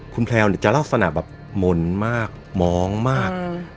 คุณแพลวเนี่ยจะลักษณะแบบมนมากมองมากอืม